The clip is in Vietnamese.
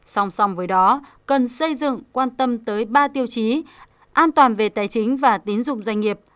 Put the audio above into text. song song với đó cần xây dựng quan tâm tới ba tiêu chí an toàn về tài chính và tín dụng doanh nghiệp